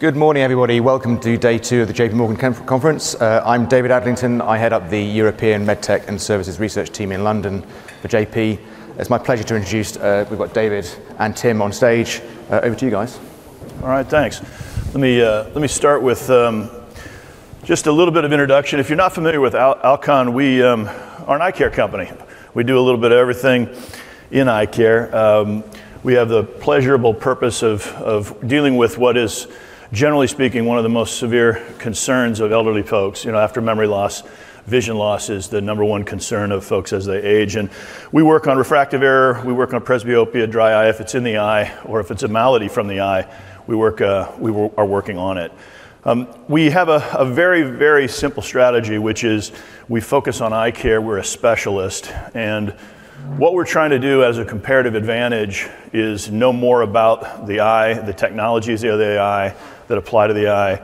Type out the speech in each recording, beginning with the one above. Good morning, everybody. Welcome to day two of the JPMorgan Conference. I'm David Adlington. I head up the European Medtech and Services Research Team in London for JP. It's my pleasure to introduce, we've got David and Tim on stage. Over to you guys. All right, thanks. Let me start with just a little bit of introduction. If you're not familiar with Alcon, we are an eye care company. We do a little bit of everything in eye care. We have the pleasurable purpose of dealing with what is, generally speaking, one of the most severe concerns of elderly folks. After memory loss, vision loss is the number one concern of folks as they age, and we work on refractive error. We work on presbyopia, dry eye, if it's in the eye, or if it's a malady from the eye. We are working on it. We have a very, very simple strategy, which is we focus on eye care. We're a specialist. And what we're trying to do as a comparative advantage is know more about the eye, the technologies of the eye that apply to the eye,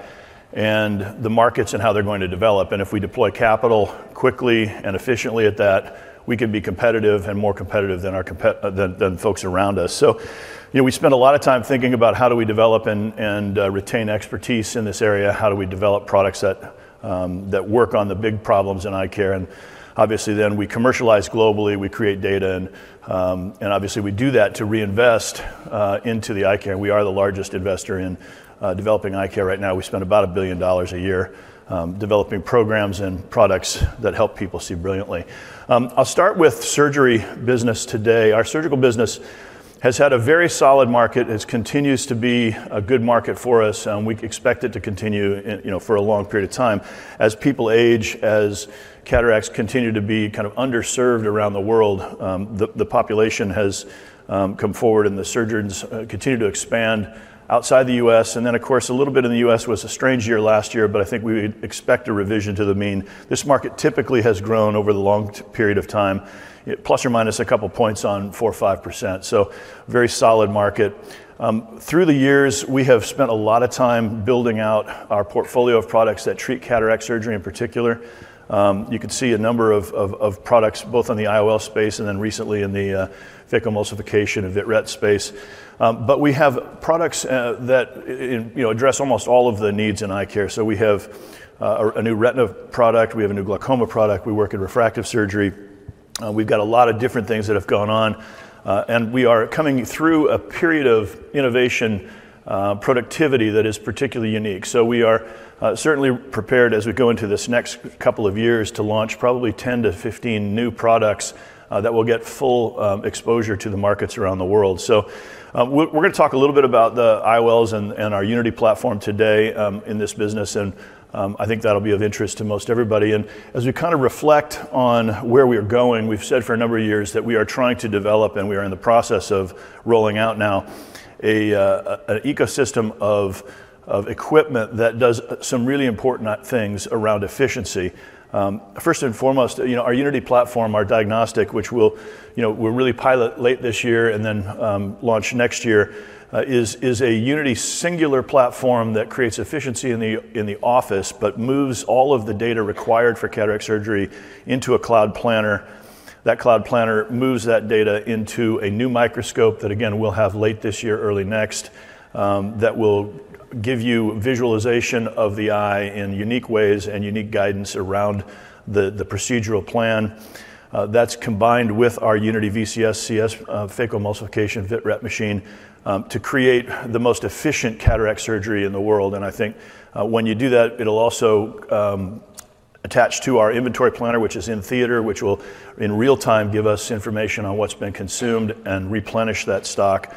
and the markets and how they're going to develop. And if we deploy capital quickly and efficiently at that, we can be competitive and more competitive than folks around us. So we spend a lot of time thinking about how do we develop and retain expertise in this area, how do we develop products that work on the big problems in eye care. And obviously, then we commercialize globally. We create data. And obviously, we do that to reinvest into the eye care. We are the largest investor in developing eye care right now. We spend about $1 billion a year developing programs and products that help people see brilliantly. I'll start with the surgery business today. Our surgical business has had a very solid market. It continues to be a good market for us. We expect it to continue for a long period of time. As people age, as cataracts continue to be kind of underserved around the world, the population has come forward, and the surgeons continue to expand outside the U.S. And then, of course, a little bit in the U.S. was a strange year last year, but I think we expect a revision to the mean. This market typically has grown over the long period of time, plus or minus a couple of points on 4% or 5%. So very solid market. Through the years, we have spent a lot of time building out our portfolio of products that treat cataract surgery in particular. You can see a number of products both on the IOL space and then recently in the phacoemulsification and vitrectomy space. But we have products that address almost all of the needs in eye care. So we have a new retina product. We have a new glaucoma product. We work in refractive surgery. We've got a lot of different things that have gone on. And we are coming through a period of innovation productivity that is particularly unique. So we are certainly prepared as we go into this next couple of years to launch probably 10 to 15 new products that will get full exposure to the markets around the world. So we're going to talk a little bit about the IOLs and our UNITY platform today in this business. And I think that'll be of interest to most everybody. As we kind of reflect on where we are going, we've said for a number of years that we are trying to develop, and we are in the process of rolling out now an ecosystem of equipment that does some really important things around efficiency. First and foremost, our UNITY platform, our diagnostic, which we'll really pilot late this year and then launch next year, is a UNITY singular platform that creates efficiency in the office but moves all of the data required for cataract surgery into a cloud planner. That cloud planner moves that data into a new microscope that, again, we'll have late this year, early next, that will give you visualization of the eye in unique ways and unique guidance around the procedural plan. That's combined with our UNITY VCS and CS phacoemulsification vitrectomy machine to create the most efficient cataract surgery in the world. I think when you do that, it'll also attach to our inventory planner, which is in theater, which will in real time give us information on what's been consumed and replenish that stock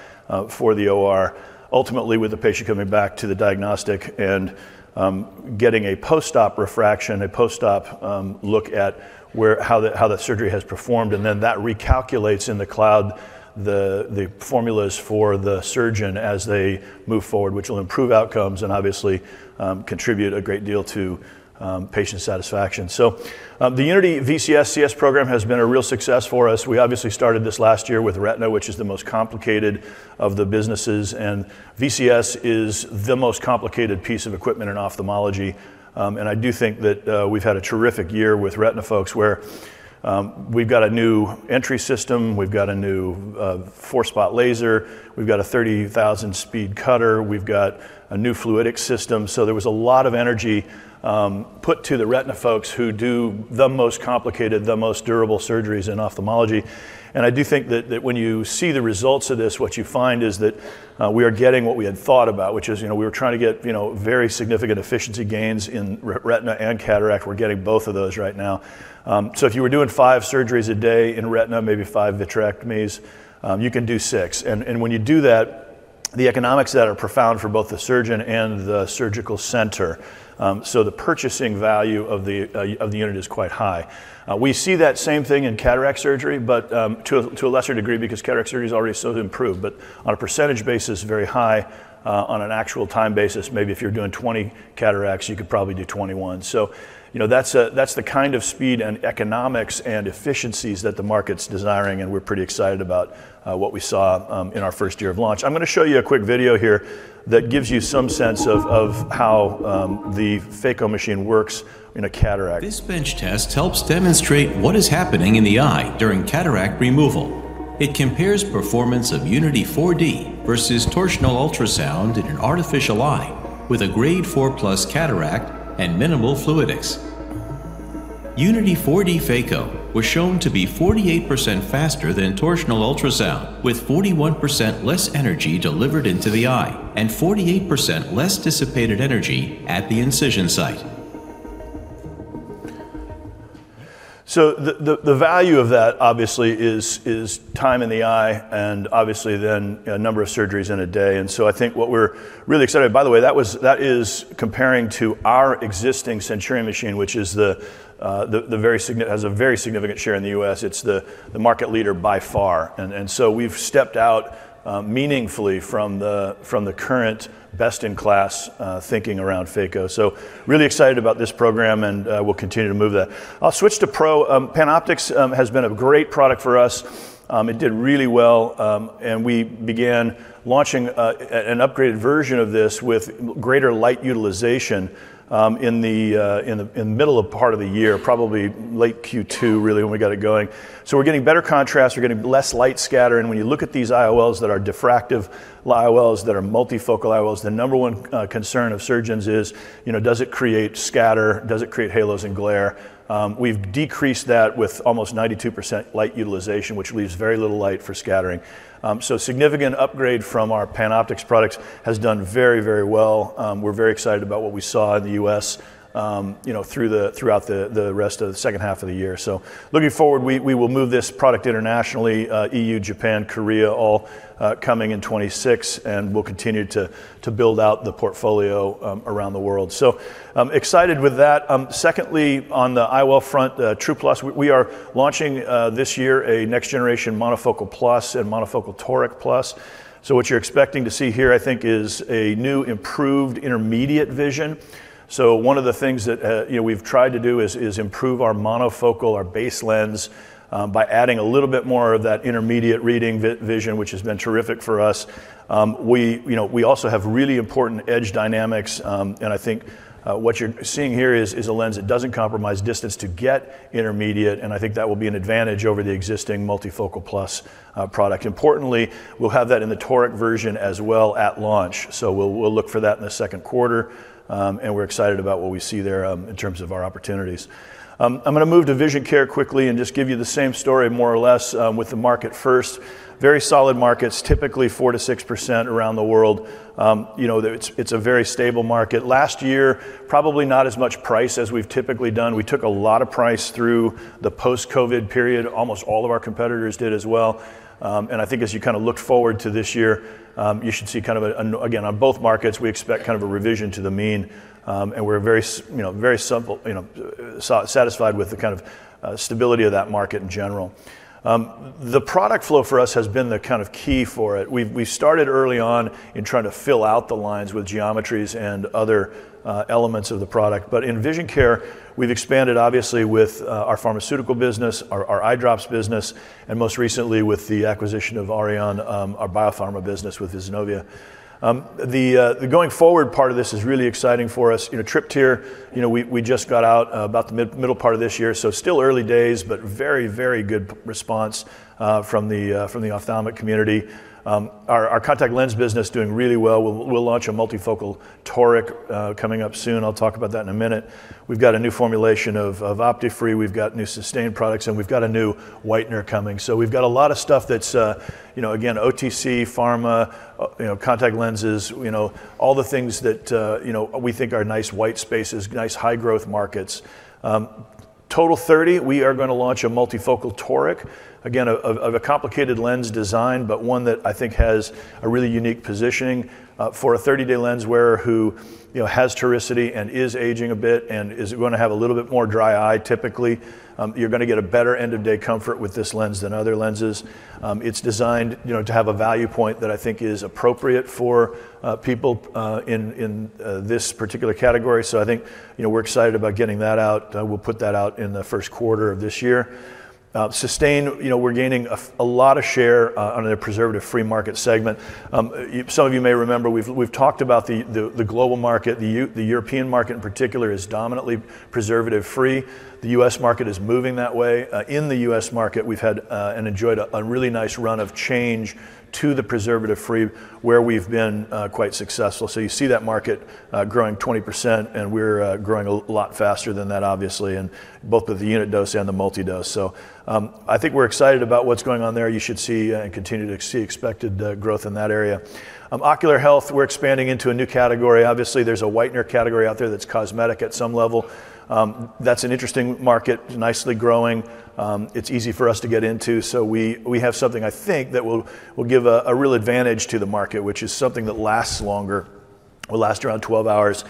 for the OR, ultimately with the patient coming back to the diagnostic and getting a post-op refraction, a post-op look at how that surgery has performed. And then that recalculates in the cloud the formulas for the surgeon as they move forward, which will improve outcomes and obviously contribute a great deal to patient satisfaction. So the UNITY VCS and CS program has been a real success for us. We obviously started this last year with retina, which is the most complicated of the businesses. And VCS is the most complicated piece of equipment in ophthalmology. And I do think that we've had a terrific year with retina folks where we've got a new entry system. We've got a new four-spot laser. We've got a 30,000-speed cutter. We've got a new fluidic system, so there was a lot of energy put to the retina folks who do the most complicated, the most durable surgeries in ophthalmology, and I do think that when you see the results of this, what you find is that we are getting what we had thought about, which is we were trying to get very significant efficiency gains in retina and cataract. We're getting both of those right now, so if you were doing five surgeries a day in retina, maybe five vitrectomies, you can do six, and when you do that, the economics that are profound for both the surgeon and the surgical center, so the purchasing value of the unit is quite high. We see that same thing in cataract surgery, but to a lesser degree because cataract surgery is already so improved. But on a percentage basis, very high. On an actual time basis, maybe if you're doing 20 cataracts, you could probably do 21. So that's the kind of speed and economics and efficiencies that the market's desiring. And we're pretty excited about what we saw in our first year of launch. I'm going to show you a quick video here that gives you some sense of how the phaco machine works in a cataract. This bench test helps demonstrate what is happening in the eye during cataract removal. It compares performance of UNITY 4D versus torsional ultrasound in an artificial eye with a grade 4+ cataract and minimal fluidics. UNITY 4D Phaco was shown to be 48% faster than torsional ultrasound, with 41% less energy delivered into the eye and 48% less dissipated energy at the incision site. So the value of that, obviously, is time in the eye and obviously then a number of surgeries in a day. And so I think what we're really excited by, by the way, that is comparing to our existing Centurion machine, which has a very significant share in the U.S. It's the market leader by far. And so we've stepped out meaningfully from the current best-in-class thinking around phaco. So really excited about this program and will continue to move that. I'll switch to Pro. PanOptix has been a great product for us. It did really well. And we began launching an upgraded version of this with greater light utilization in the middle of part of the year, probably late Q2, really, when we got it going. So we're getting better contrast. We're getting less light scatter. And when you look at these IOLs that are diffractive IOLs, that are multifocal IOLs, the number one concern of surgeons is, does it create scatter? Does it create halos and glare? We've decreased that with almost 92% light utilization, which leaves very little light for scattering. So significant upgrade from our PanOptix products has done very, very well. We're very excited about what we saw in the U.S. throughout the rest of the second half of the year. So looking forward, we will move this product internationally: EU, Japan, Korea, all coming in 2026. And we'll continue to build out the portfolio around the world. So excited with that. Secondly, on the IOL front, TRUEplus, we are launching this year a next-generation Monofocal Plus and Monofocal Toric Plus. So what you're expecting to see here, I think, is a new improved intermediate vision. So one of the things that we've tried to do is improve our monofocal, our base lens, by adding a little bit more of that intermediate reading vision, which has been terrific for us. We also have really important edge dynamics. And I think what you're seeing here is a lens that doesn't compromise distance to get intermediate. And I think that will be an advantage over the existing Multifocal Plus product. Importantly, we'll have that in the Toric version as well at launch. So we'll look for that in the second quarter. And we're excited about what we see there in terms of our opportunities. I'm going to move to vision care quickly and just give you the same story, more or less, with the market first. Very solid markets, typically 4%-6% around the world. It's a very stable market. Last year, probably not as much price as we've typically done. We took a lot of price through the post-COVID period. Almost all of our competitors did as well, and I think as you kind of look forward to this year, you should see kind of, again, on both markets, we expect kind of a revision to the mean, and we're very satisfied with the kind of stability of that market in general. The product flow for us has been the kind of key for it. We started early on in trying to fill out the lines with geometries and other elements of the product, but in vision care, we've expanded, obviously, with our pharmaceutical business, our eye drops business, and most recently with the acquisition of Aurion, our biopharma business with Vyznova. The going forward part of this is really exciting for us. TRYPTYR, we just got out about the middle part of this year. So still early days, but very, very good response from the ophthalmic community. Our contact lens business is doing really well. We'll launch a Multifocal Toric coming up soon. I'll talk about that in a minute. We've got a new formulation of OPTI-FREE. We've got new Systane products. And we've got a new Vivity coming. So we've got a lot of stuff that's, again, OTC, pharma, contact lenses, all the things that we think are nice white spaces, nice high-growth markets. TOTAL30, we are going to launch a multifocal Toric, again, of a complicated lens design, but one that I think has a really unique positioning. For a 30-day lens wearer who has toricity and is aging a bit and is going to have a little bit more dry eye, typically, you're going to get a better end-of-day comfort with this lens than other lenses. It's designed to have a value point that I think is appropriate for people in this particular category. So I think we're excited about getting that out. We'll put that out in the first quarter of this year. Systane, we're gaining a lot of share on the preservative-free market segment. Some of you may remember we've talked about the global market. The European market, in particular, is dominantly preservative-free. The U.S. market is moving that way. In the U.S. market, we've had and enjoyed a really nice run of change to the preservative-free, where we've been quite successful. So you see that market growing 20%. And we're growing a lot faster than that, obviously, in both the unit dose and the multi-dose. So I think we're excited about what's going on there. You should see and continue to see expected growth in that area. Ocular health, we're expanding into a new category. Obviously, there's a whitening category out there that's cosmetic at some level. That's an interesting market, nicely growing. It's easy for us to get into. So we have something, I think, that will give a real advantage to the market, which is something that lasts longer. It will last around 12 hours.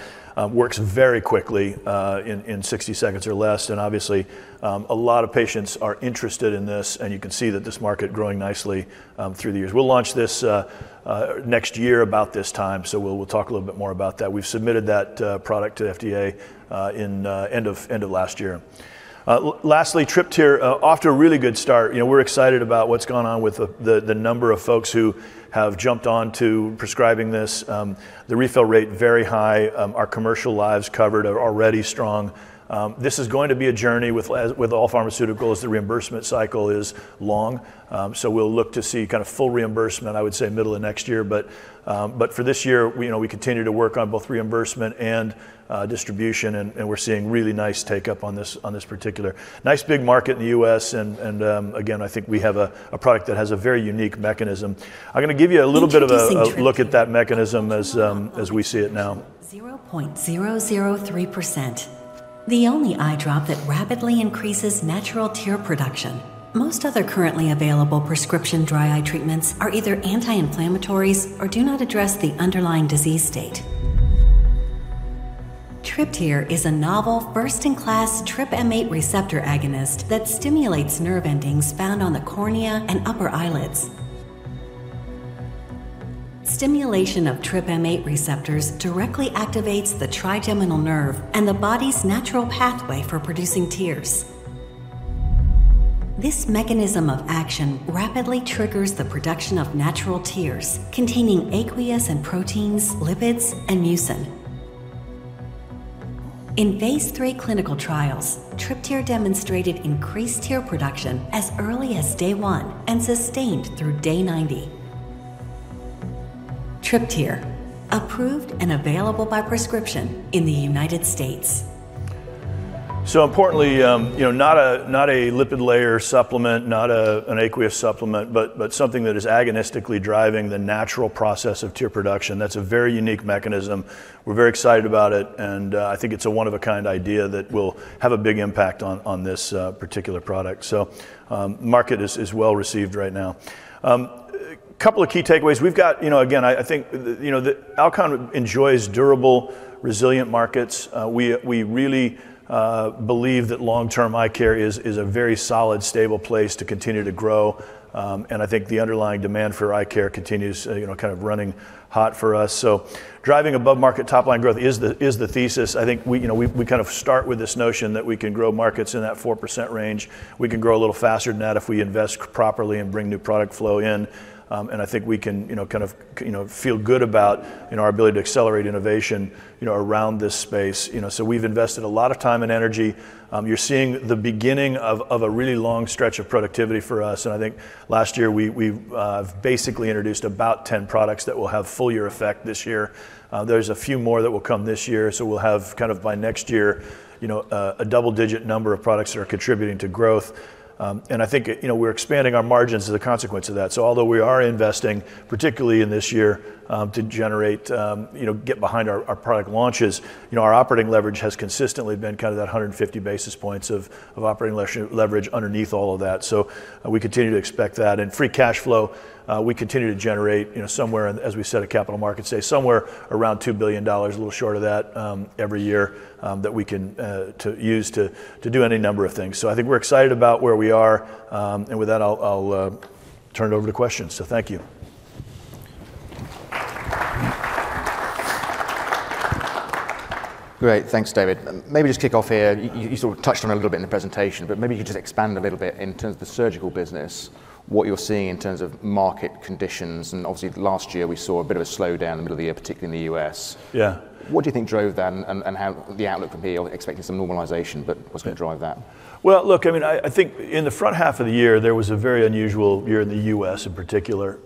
Works very quickly in 60 seconds or less. And obviously, a lot of patients are interested in this. And you can see that this market is growing nicely through the years. We'll launch this next year about this time. So we'll talk a little bit more about that. We've submitted that product to FDA in the end of last year. Lastly, TRYPTYR, off to a really good start. We're excited about what's gone on with the number of folks who have jumped on to prescribing this. The refill rate is very high. Our commercial lives covered are already strong. This is going to be a journey with all pharmaceuticals. The reimbursement cycle is long. So we'll look to see kind of full reimbursement, I would say, middle of next year. But for this year, we continue to work on both reimbursement and distribution. And we're seeing really nice take-up on this particular nice big market in the U.S. And again, I think we have a product that has a very unique mechanism. I'm going to give you a little bit of a look at that mechanism as we see it now. 0.003%. The only eye drop that rapidly increases natural tear production. Most other currently available prescription dry eye treatments are either anti-inflammatories or do not address the underlying disease state. TRYPTYR is a novel, first-in-class TRPM8 receptor agonist that stimulates nerve endings found on the cornea and upper eyelids. Stimulation of TRPM8 receptors directly activates the trigeminal nerve and the body's natural pathway for producing tears. This mechanism of action rapidly triggers the production of natural tears containing aqueous and proteins, lipids, and mucin. In phase III clinical trials, TRYPTYR demonstrated increased tear production as early as day one and sustained through day 90. TRYPTYR, approved and available by prescription in the United States. Importantly, not a lipid layer supplement, not an aqueous supplement, but something that is agonistically driving the natural process of tear production. That's a very unique mechanism. We're very excited about it. I think it's a one of a kind idea that will have a big impact on this particular product. The market is well received right now. A couple of key takeaways. We've got, again, I think Alcon enjoys durable, resilient markets. We really believe that long-term eye care is a very solid, stable place to continue to grow. I think the underlying demand for eye care continues kind of running hot for us. Driving above-market top-line growth is the thesis. I think we kind of start with this notion that we can grow markets in that 4% range. We can grow a little faster than that if we invest properly and bring new product flow in. I think we can kind of feel good about our ability to accelerate innovation around this space. So we've invested a lot of time and energy. You're seeing the beginning of a really long stretch of productivity for us. And I think last year, we've basically introduced about 10 products that will have full year effect this year. There's a few more that will come this year. So we'll have kind of by next year, a double-digit number of products that are contributing to growth. And I think we're expanding our margins as a consequence of that. So although we are investing, particularly in this year, to generate, get behind our product launches, our operating leverage has consistently been kind of that 150 basis points of operating leverage underneath all of that. So we continue to expect that. And free cash flow, we continue to generate somewhere, as we said, a capital market, say, somewhere around $2 billion, a little short of that every year that we can use to do any number of things. So I think we're excited about where we are. And with that, I'll turn it over to questions. So thank you. Great. Thanks, David. Maybe just kick off here. You sort of touched on it a little bit in the presentation. But maybe you could just expand a little bit in terms of the surgical business, what you're seeing in terms of market conditions. And obviously, last year, we saw a bit of a slowdown in the middle of the year, particularly in the U.S. Yeah. What do you think drove that and the outlook from here? You're expecting some normalization, but what's going to drive that? Look, I mean, I think in the front half of the year, there was a very unusual year in the US, in particular.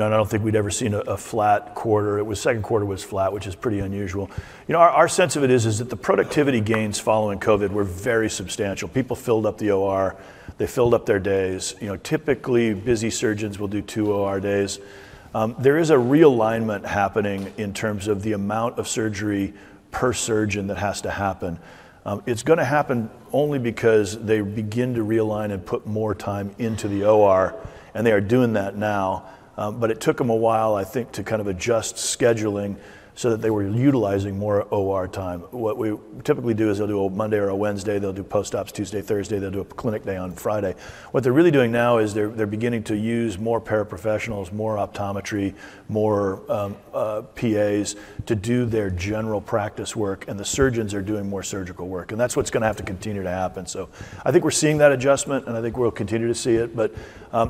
I don't think we'd ever seen a flat quarter. Second quarter was flat, which is pretty unusual. Our sense of it is that the productivity gains following COVID were very substantial. People filled up the OR. They filled up their days. Typically, busy surgeons will do two OR days. There is a realignment happening in terms of the amount of surgery per surgeon that has to happen. It's going to happen only because they begin to realign and put more time into the OR. They are doing that now. It took them a while, I think, to kind of adjust scheduling so that they were utilizing more OR time. What we typically do is they'll do a Monday or a Wednesday. They'll do post-ops Tuesday, Thursday. They'll do a clinic day on Friday. What they're really doing now is they're beginning to use more paraprofessionals, more optometry, more PAs to do their general practice work. And the surgeons are doing more surgical work. And that's what's going to have to continue to happen. So I think we're seeing that adjustment. And I think we'll continue to see it. But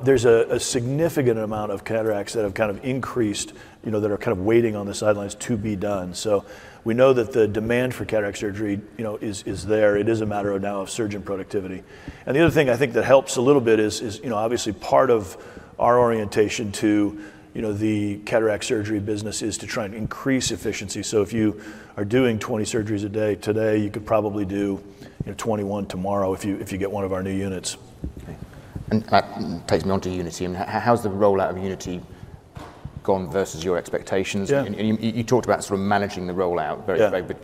there's a significant amount of cataracts that have kind of increased that are kind of waiting on the sidelines to be done. So we know that the demand for cataract surgery is there. It is a matter of now of surgeon productivity. And the other thing I think that helps a little bit is, obviously, part of our orientation to the cataract surgery business is to try and increase efficiency. So if you are doing 20 surgeries a day today, you could probably do 21 tomorrow if you get one of our new units. And technology units, how has the rollout of Unity gone versus your expectations? You talked about sort of managing the rollout very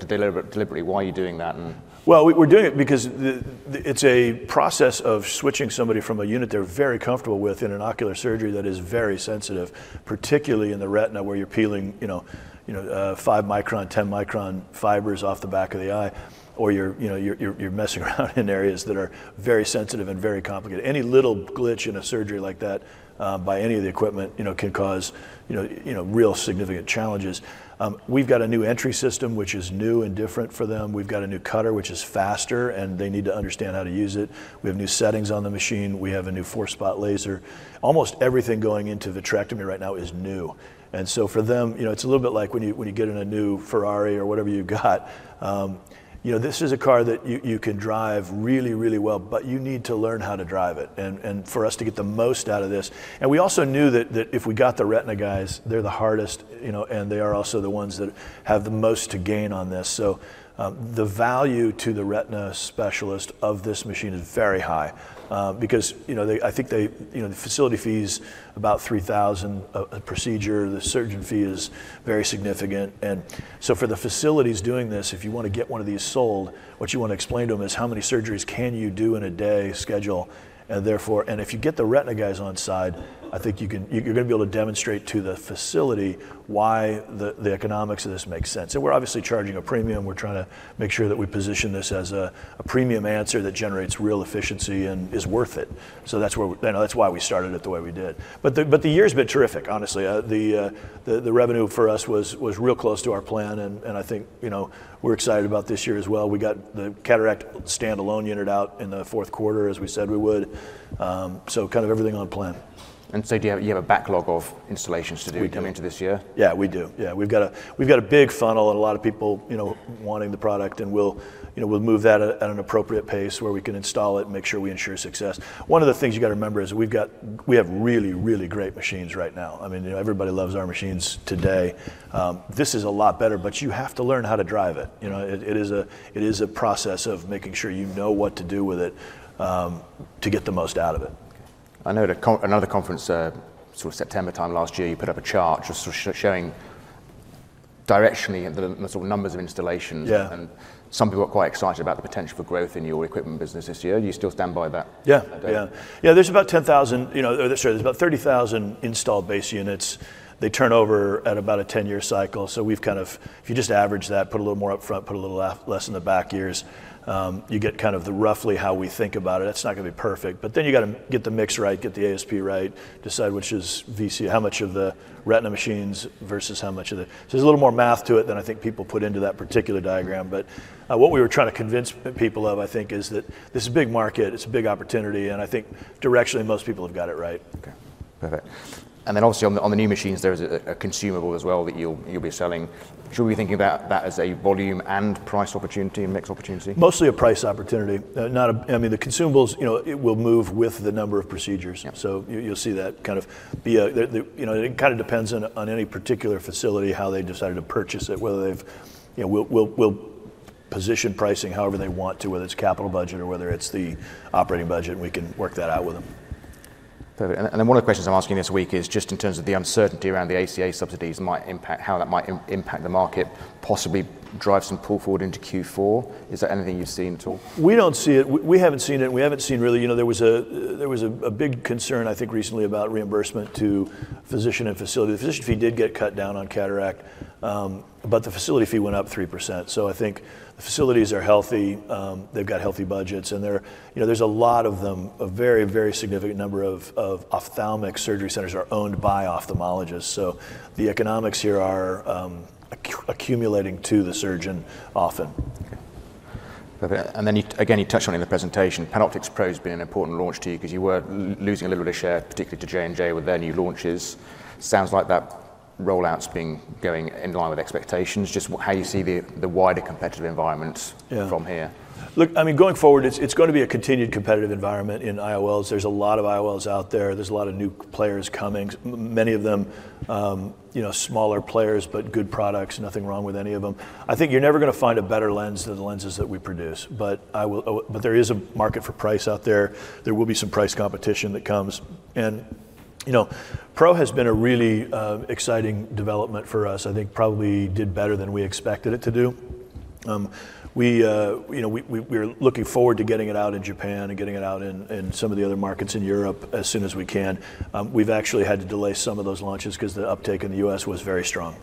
deliberately. Why are you doing that? Well, we're doing it because it's a process of switching somebody from a unit they're very comfortable with in an ocular surgery that is very sensitive, particularly in the retina where you're peeling 5 micron, 10 micron fibers off the back of the eye, or you're messing around in areas that are very sensitive and very complicated. Any little glitch in a surgery like that by any of the equipment can cause real significant challenges. We've got a new entry system, which is new and different for them. We've got a new cutter, which is faster, and they need to understand how to use it. We have new settings on the machine. We have a new four-spot laser. Almost everything going into vitrectomy right now is new, and so for them, it's a little bit like when you get in a new Ferrari or whatever you got. This is a car that you can drive really, really well, but you need to learn how to drive it for us to get the most out of this, and we also knew that if we got the retina guys, they're the hardest, and they are also the ones that have the most to gain on this, so the value to the retina specialist of this machine is very high, because I think the facility fee is about $3,000 a procedure. The surgeon fee is very significant, and so for the facilities doing this, if you want to get one of these sold, what you want to explain to them is how many surgeries can you do in a day schedule, and if you get the retina guys on side, I think you're going to be able to demonstrate to the facility why the economics of this makes sense. And we're obviously charging a premium. We're trying to make sure that we position this as a premium answer that generates real efficiency and is worth it. So that's why we started it the way we did. But the year has been terrific, honestly. The revenue for us was real close to our plan. And I think we're excited about this year as well. We got the cataract standalone unit out in the fourth quarter, as we said we would. So kind of everything on plan. You have a backlog of installations to do coming into this year? Yeah, we do. Yeah, we've got a big funnel and a lot of people wanting the product, and we'll move that at an appropriate pace where we can install it and make sure we ensure success. One of the things you've got to remember is we have really, really great machines right now. I mean, everybody loves our machines today. This is a lot better, but you have to learn how to drive it. It is a process of making sure you know what to do with it to get the most out of it. I know at another conference sort of September time last year, you put up a chart just showing directionally the numbers of installations. And some people are quite excited about the potential for growth in your equipment business this year. Do you still stand by that? Yeah. Yeah, there's about 10,000. Sorry, there's about 30,000 installed base units. They turn over at about a 10-year cycle. So we've kind of, if you just average that, put a little more up front, put a little less in the back years, you get kind of roughly how we think about it. It's not going to be perfect. But then you've got to get the mix right, get the ASP right, decide which is how much of the retina machines versus how much of the. So there's a little more math to it than I think people put into that particular diagram. But what we were trying to convince people of, I think, is that this is a big market. It's a big opportunity. And I think directionally, most people have got it right. Perfect. And then obviously, on the new machines, there is a consumable as well that you'll be selling. Should we be thinking about that as a volume and price opportunity and mix opportunity? Mostly a price opportunity. I mean, the consumables, it will move with the number of procedures. So you'll see that kind of be it kind of depends on any particular facility, how they decided to purchase it, whether they've positioned pricing however they want to, whether it's capital budget or whether it's the operating budget, and we can work that out with them. One of the questions I'm asking this week is just in terms of the uncertainty around the ACA subsidies might impact how that might impact the market, possibly drive some pull forward into Q4. Is that anything you've seen at all? We don't see it. We haven't seen it. And we haven't seen really. There was a big concern, I think, recently about reimbursement to physician and facility. The physician fee did get cut down on cataract. But the facility fee went up 3%. So I think the facilities are healthy. They've got healthy budgets. And there's a lot of them. A very, very significant number of ophthalmic surgery centers are owned by ophthalmologists. So the economics here are accumulating to the surgeon often. Then again, you touched on it in the presentation. PanOptix Pro has been an important launch to you because you were losing a little bit of share, particularly to J&J with their new launches. Sounds like that rollout's been going in line with expectations. Just how you see the wider competitive environment from here? Look, I mean, going forward, it's going to be a continued competitive environment in IOLs. There's a lot of IOLs out there. There's a lot of new players coming, many of them smaller players, but good products. Nothing wrong with any of them. I think you're never going to find a better lens than the lenses that we produce. But there is a market for price out there. There will be some price competition that comes, and Pro has been a really exciting development for us. I think probably did better than we expected it to do. We are looking forward to getting it out in Japan and getting it out in some of the other markets in Europe as soon as we can. We've actually had to delay some of those launches because the uptake in the U.S. was very strong.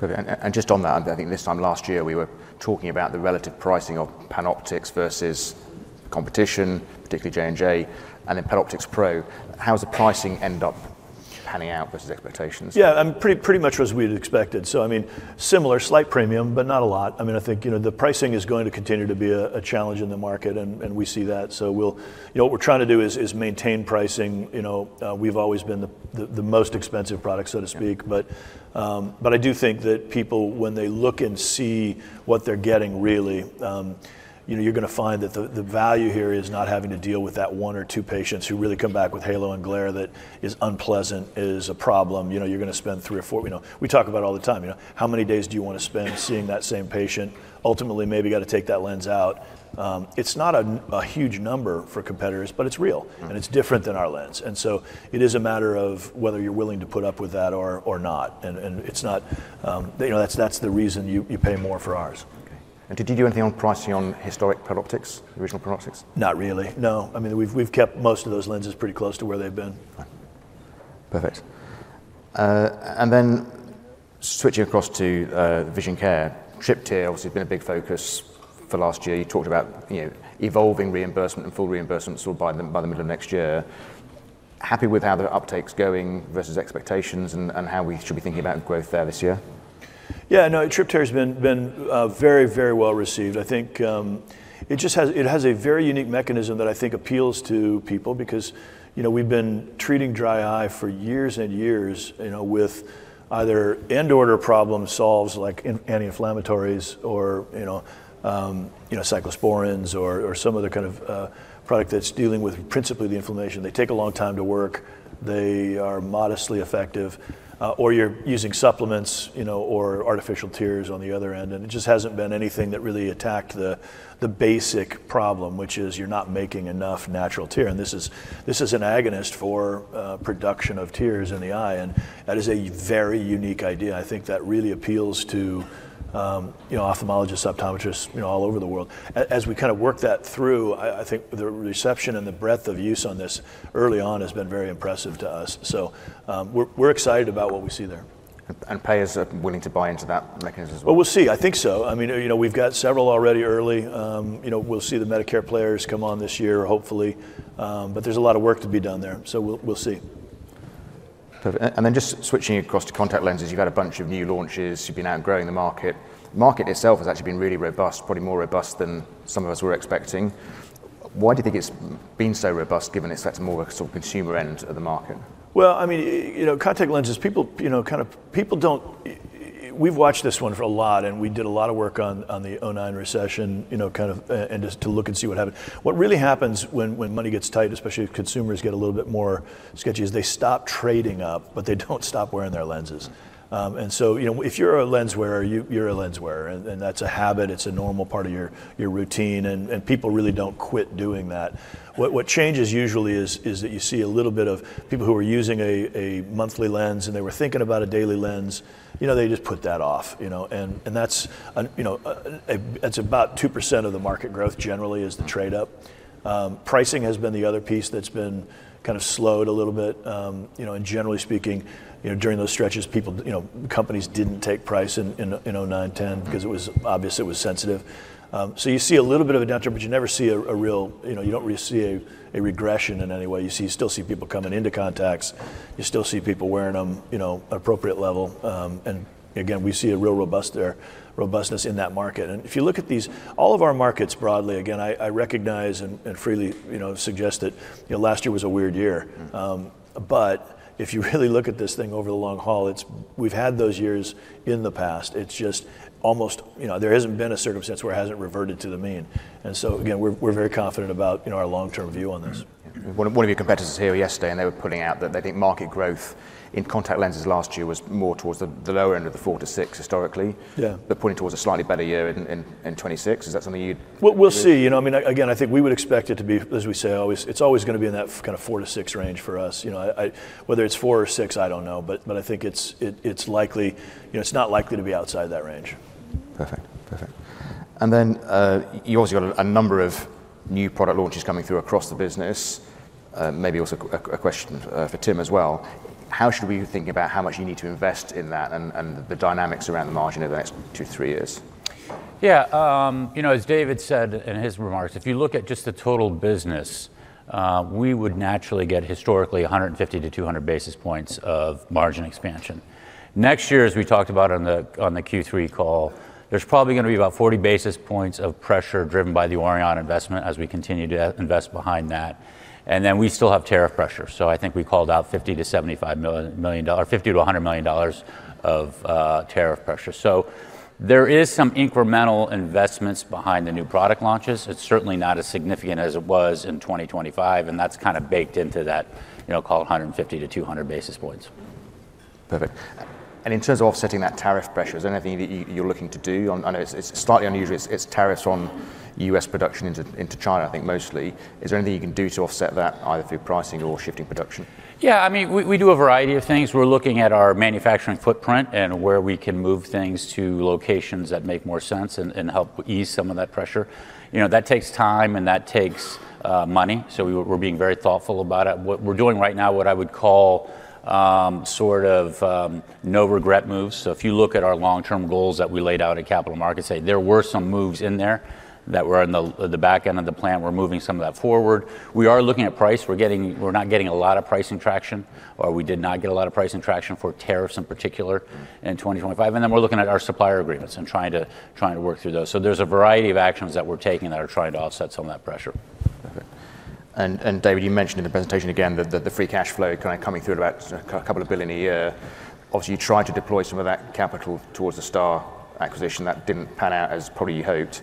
And just on that, I think this time last year, we were talking about the relative pricing of PanOptix versus competition, particularly J&J, and then PanOptix Pro. How has the pricing ended up panning out versus expectations? Yeah, pretty much as we'd expected. So I mean, similar, slight premium, but not a lot. I mean, I think the pricing is going to continue to be a challenge in the market. And we see that. So what we're trying to do is maintain pricing. We've always been the most expensive product, so to speak. But I do think that people, when they look and see what they're getting, really, you're going to find that the value here is not having to deal with that one or two patients who really come back with halo and glare that is unpleasant, is a problem. You're going to spend three or four. We talk about it all the time. How many days do you want to spend seeing that same patient? Ultimately, maybe you've got to take that lens out. It's not a huge number for competitors. But it's real. And it's different than our lens. And so it is a matter of whether you're willing to put up with that or not. And that's the reason you pay more for ours. Did you do anything on pricing on historic PanOptix, original PanOptix? Not really. No. I mean, we've kept most of those lenses pretty close to where they've been. Perfect. And then switching across to vision care, TRYPTYR obviously has been a big focus for last year. You talked about evolving reimbursement and full reimbursement sort of by the middle of next year. Happy with how the uptake's going versus expectations and how we should be thinking about growth there this year? Yeah. No, TRYPTYR has been very, very well received. I think it has a very unique mechanism that I think appeals to people. Because we've been treating dry eye for years and years with either end of the problem solves like anti-inflammatories or cyclosporins or some other kind of product that's dealing with principally the inflammation. They take a long time to work. They are modestly effective. Or you're using supplements or artificial tears on the other end, and it just hasn't been anything that really attacked the basic problem, which is you're not making enough natural tear, and this is an agonist for production of tears in the eye, and that is a very unique idea. I think that really appeals to ophthalmologists, optometrists all over the world. As we kind of work that through, I think the reception and the breadth of use on this early on has been very impressive to us. So we're excited about what we see there. And payers are willing to buy into that mechanism as well? Well, we'll see. I think so. I mean, we've got several already early. We'll see the Medicare players come on this year, hopefully. But there's a lot of work to be done there. So we'll see. And then just switching across to contact lenses. You've had a bunch of new launches. You've been outgrowing the market. The market itself has actually been really robust, probably more robust than some of us were expecting. Why do you think it's been so robust given it's more of a consumer end of the market? I mean, contact lenses, people kind of we've watched this one for a lot. And we did a lot of work on the 2009 recession kind of and just to look and see what happened. What really happens when money gets tight, especially if consumers get a little bit more sketchy, is they stop trading up. But they don't stop wearing their lenses. And so if you're a lens wearer, you're a lens wearer. And that's a habit. It's a normal part of your routine. And people really don't quit doing that. What changes usually is that you see a little bit of people who are using a monthly lens. And they were thinking about a daily lens. They just put that off. And that's about 2% of the market growth generally is the trade-up. Pricing has been the other piece that's been kind of slowed a little bit. And generally speaking, during those stretches, companies didn't take price in 2009, 2010 because it was obvious it was sensitive. So you see a little bit of a downturn. But you never see a real you don't really see a regression in any way. You still see people coming into contacts. You still see people wearing them at an appropriate level. And again, we see a real robustness in that market. And if you look at these all of our markets broadly, again, I recognize and freely suggest that last year was a weird year. But if you really look at this thing over the long haul, we've had those years in the past. It's just almost there hasn't been a circumstance where it hasn't reverted to the mean. And so again, we're very confident about our long-term view on this. One of your competitors here yesterday, and they were putting out that they think market growth in contact lenses last year was more towards the lower end of the four-to-six historically, but pointing towards a slightly better year in 2026. Is that something you'd? We'll see. I mean, again, I think we would expect it to be, as we say, it's always going to be in that kind of four to six range for us. Whether it's four or six, I don't know. But I think it's likely it's not likely to be outside that range. Perfect. Perfect. And then you've also got a number of new product launches coming through across the business. Maybe also a question for Tim as well. How should we be thinking about how much you need to invest in that and the dynamics around the margin over the next two to three years? Yeah. As David said in his remarks, if you look at just the total business, we would naturally get historically 150-200 basis points of margin expansion. Next year, as we talked about on the Q3 call, there's probably going to be about 40 basis points of pressure driven by the Aurion investment as we continue to invest behind that, and then we still have tariff pressure, so I think we called out $50 million-$100 million of tariff pressure. So there is some incremental investments behind the new product launches. It's certainly not as significant as it was in 2025. And that's kind of baked into that, call it 150-200 basis points. Perfect. And in terms of offsetting that tariff pressure, is there anything that you're looking to do? I know it's slightly unusual. It's tariffs on U.S. production into China, I think, mostly. Is there anything you can do to offset that either through pricing or shifting production? Yeah. I mean, we do a variety of things. We're looking at our manufacturing footprint and where we can move things to locations that make more sense and help ease some of that pressure. That takes time. And that takes money. So we're being very thoughtful about it. What we're doing right now, what I would call sort of no regret moves. So if you look at our long-term goals that we laid out in capital markets, there were some moves in there that were on the back end of the plan. We're moving some of that forward. We are looking at price. We're not getting a lot of pricing traction, or we did not get a lot of pricing traction for tariffs in particular in 2025. And then we're looking at our supplier agreements and trying to work through those. There's a variety of actions that we're taking that are trying to offset some of that pressure. Perfect. And David, you mentioned in the presentation again that the free cash flow kind of coming through at about a couple of billion a year. Obviously, you tried to deploy some of that capital towards the STAAR acquisition. That didn't pan out as probably you hoped.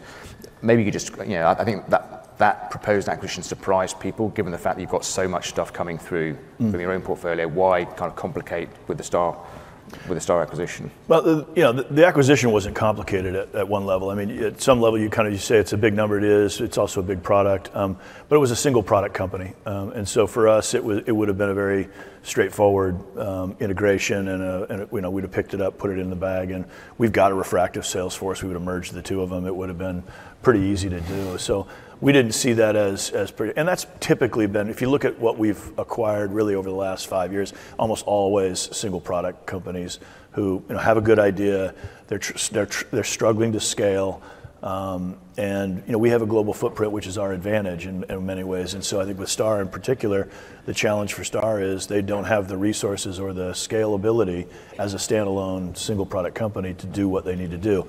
Maybe you could just I think that proposed acquisition surprised people given the fact that you've got so much stuff coming through from your own portfolio. Why kind of complicate with the STAAR acquisition? The acquisition wasn't complicated at one level. I mean, at some level, you kind of say it's a big number. It is. It's also a big product. But it was a single product company. And so for us, it would have been a very straightforward integration. And we'd have picked it up, put it in the bag. And we've got a refractive sales force. We would have merged the two of them. It would have been pretty easy to do. So we didn't see that as pretty. And that's typically been if you look at what we've acquired really over the last five years, almost always single product companies who have a good idea. They're struggling to scale. And we have a global footprint, which is our advantage in many ways. And so I think with STAAR in particular, the challenge for STAAR is they don't have the resources or the scalability as a standalone single product company to do what they need to do.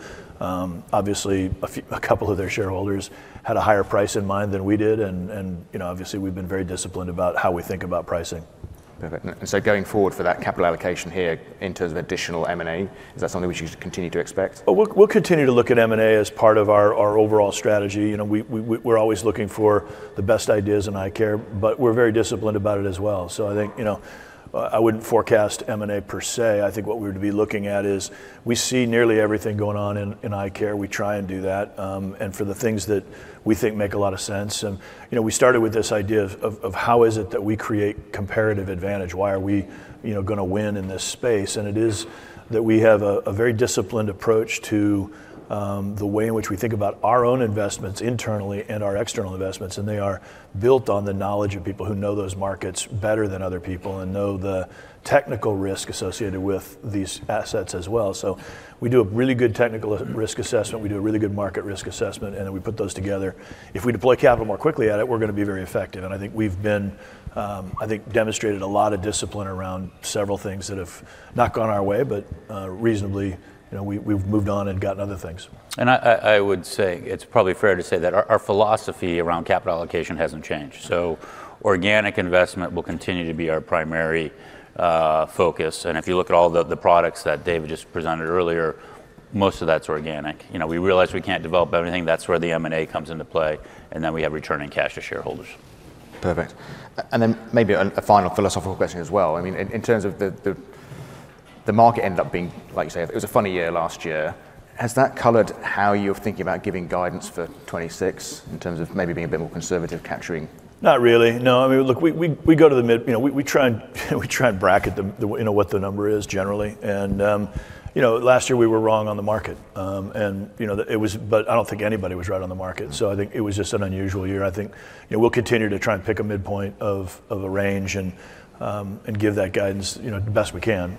Obviously, a couple of their shareholders had a higher price in mind than we did. And obviously, we've been very disciplined about how we think about pricing. Perfect. And so going forward for that capital allocation here in terms of additional M&A, is that something we should continue to expect? We'll continue to look at M&A as part of our overall strategy. We're always looking for the best ideas in eye care but we're very disciplined about it as well, so I think I wouldn't forecast M&A per se. I think what we would be looking at is we see nearly everything going on in eye care. We try and do that and for the things that we think make a lot of sense and we started with this idea of how is it that we create comparative advantage? Why are we going to win in this space and it is that we have a very disciplined approach to the way in which we think about our own investments internally and our external investments. And they are built on the knowledge of people who know those markets better than other people and know the technical risk associated with these assets as well. So we do a really good technical risk assessment. We do a really good market risk assessment. And then we put those together. If we deploy capital more quickly at it, we're going to be very effective. And I think we've been, I think, demonstrated a lot of discipline around several things that have not gone our way. But reasonably, we've moved on and gotten other things. I would say it's probably fair to say that our philosophy around capital allocation hasn't changed. Organic investment will continue to be our primary focus. If you look at all the products that David just presented earlier, most of that's organic. We realize we can't develop everything. That's where the M&A comes into play. We have returning cash to shareholders. Perfect. And then maybe a final philosophical question as well. I mean, in terms of the market ended up being, like you say, it was a funny year last year. Has that colored how you're thinking about giving guidance for 2026 in terms of maybe being a bit more conservative capturing? Not really. No. I mean, look, we try and bracket what the number is generally. And last year, we were wrong on the market. But I don't think anybody was right on the market. So I think it was just an unusual year. I think we'll continue to try and pick a midpoint of a range and give that guidance the best we can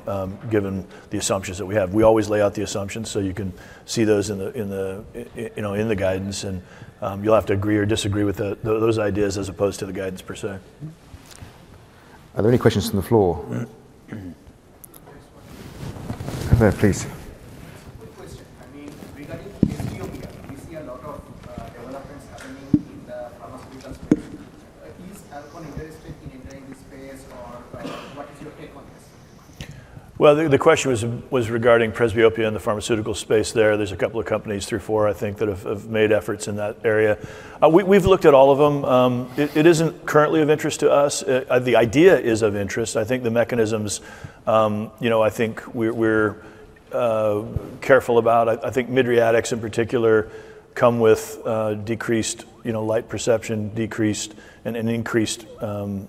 given the assumptions that we have. We always lay out the assumptions so you can see those in the guidance. And you'll have to agree or disagree with those ideas as opposed to the guidance per se. Are there any questions from the floor? Perfect. Please. Quick question. I mean, regarding presbyopia, we see a lot of developments happening in the pharmaceutical space. Is Alcon interested in entering this space? Or what is your take on this? The question was regarding presbyopia and the pharmaceutical space there. There's a couple of companies, three or four, I think, that have made efforts in that area. We've looked at all of them. It isn't currently of interest to us. The idea is of interest. I think the mechanisms I think we're careful about. I think mydriatics in particular come with decreased light perception and increased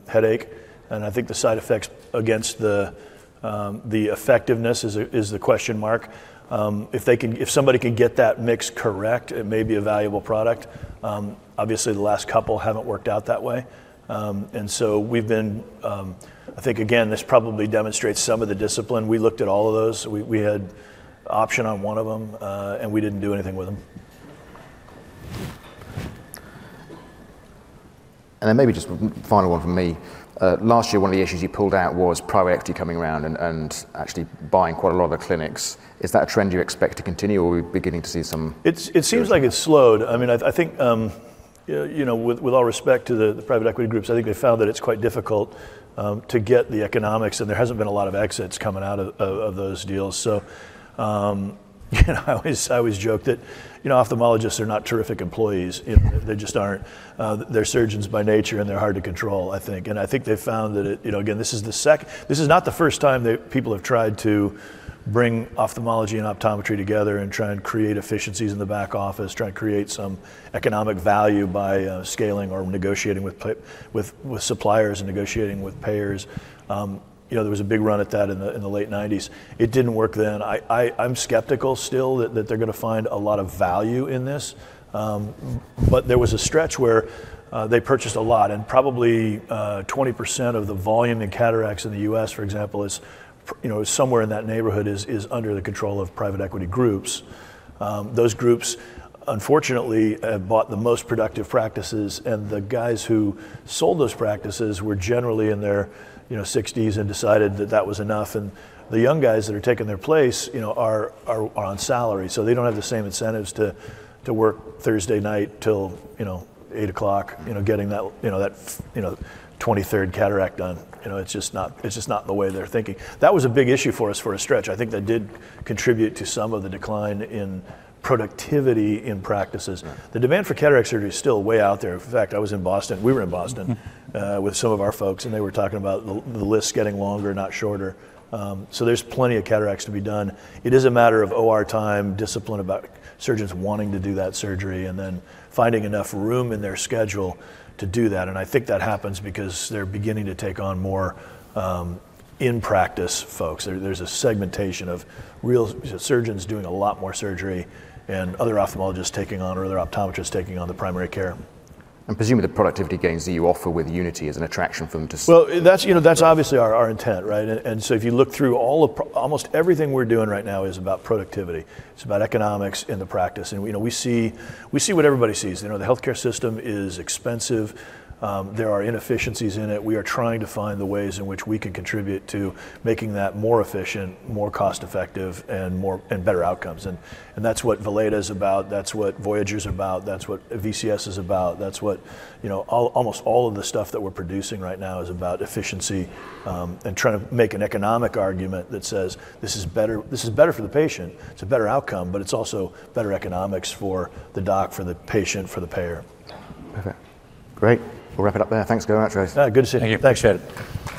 headache. And I think the side effects against the effectiveness is the question mark. If somebody can get that mix correct, it may be a valuable product. Obviously, the last couple haven't worked out that way. And so we've been I think, again, this probably demonstrates some of the discipline. We looked at all of those. We had option on one of them. And we didn't do anything with them. And then maybe just a final one from me. Last year, one of the issues you pulled out was private equity coming around and actually buying quite a lot of the clinics. Is that a trend you expect to continue? Or are we beginning to see some? It seems like it's slowed. I mean, I think with all respect to the private equity groups, I think they found that it's quite difficult to get the economics. And there hasn't been a lot of exits coming out of those deals. So I always joke that ophthalmologists are not terrific employees. They just aren't. They're surgeons by nature. And they're hard to control, I think. And I think they found that, again, this is not the first time that people have tried to bring ophthalmology and optometry together and try and create efficiencies in the back office, try and create some economic value by scaling or negotiating with suppliers and negotiating with payers. There was a big run at that in the late 1990s. It didn't work then. I'm skeptical still that they're going to find a lot of value in this. But there was a stretch where they purchased a lot. And probably 20% of the volume in cataracts in the U.S., for example, is somewhere in that neighborhood is under the control of private equity groups. Those groups, unfortunately, have bought the most productive practices. And the guys who sold those practices were generally in their 60s and decided that that was enough. And the young guys that are taking their place are on salary. So they don't have the same incentives to work Thursday night till 8:00 PM getting that 23rd cataract done. It's just not the way they're thinking. That was a big issue for us for a stretch. I think that did contribute to some of the decline in productivity in practices. The demand for cataract surgery is still way out there. In fact, I was in Boston. We were in Boston with some of our folks. And they were talking about the lists getting longer, not shorter. So there's plenty of cataracts to be done. It is a matter of OR time, discipline about surgeons wanting to do that surgery, and then finding enough room in their schedule to do that. And I think that happens because they're beginning to take on more in-practice folks. There's a segmentation of real surgeons doing a lot more surgery and other ophthalmologists taking on, or other optometrists taking on the primary care. And presumably, the productivity gains that you offer with UNITY is an attraction for them too. Well, that's obviously our intent, right? And so if you look through almost everything we're doing right now is about productivity. It's about economics in the practice. And we see what everybody sees. The health care system is expensive. There are inefficiencies in it. We are trying to find the ways in which we can contribute to making that more efficient, more cost-effective, and better outcomes. And that's what Valeda is about. That's what Voyager is about. That's what VCS is about. That's what almost all of the stuff that we're producing right now is about efficiency and trying to make an economic argument that says, this is better for the patient. It's a better outcome. But it's also better economics for the doc, for the patient, for the payer. Perfect. Great. We'll wrap it up there. Thanks very much, guys. Good to see you. Thank you. Thanks, Chad.